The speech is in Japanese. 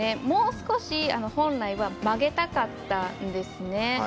もう少し本来は曲げたかったんですね。